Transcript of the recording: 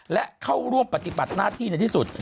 และเข้าร่วมปฏิบัติหน้าที่ในที่สุด